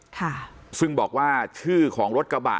คุณบอกว่าชื่อของรถกระบะ